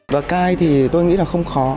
và cai thì tôi nghĩ là không khó